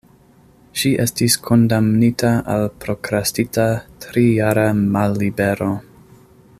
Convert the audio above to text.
Ŝi estis kondamnita al prokrastita trijara mallibero.